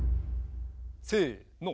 せの。